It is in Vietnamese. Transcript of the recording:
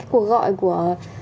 cuộc gọi của